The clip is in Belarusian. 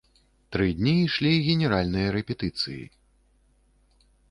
Тры дні ішлі генеральныя рэпетыцыі.